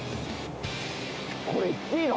これ行っていいの？